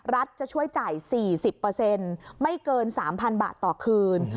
จะช่วยจ่าย๔๐ไม่เกิน๓๐๐๐บาทต่อคืน